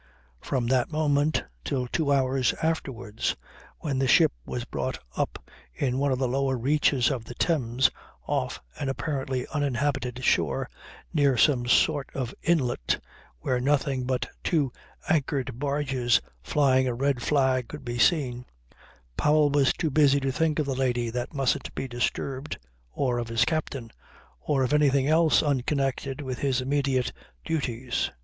From that moment till two hours afterwards, when the ship was brought up in one of the lower reaches of the Thames off an apparently uninhabited shore, near some sort of inlet where nothing but two anchored barges flying a red flag could be seen, Powell was too busy to think of the lady 'that mustn't be disturbed,' or of his captain or of anything else unconnected with his immediate duties.